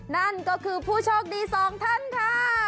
นั่นก็คือผู้โชคดีสองท่านค่ะ